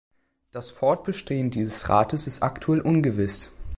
Das Fortbestehen dieses Rates ist aktuell ungewiss.